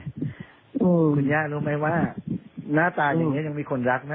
เออคุณยารู้ไหมว่าหน้าตาอย่างเงี้ยยังมีคนรักแม่